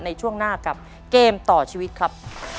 ในช่วงหน้ากับเกมต่อชีวิตครับ